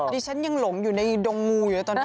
ดิฉันยังหลงอยู่ในดงงูอยู่เลยตอนนี้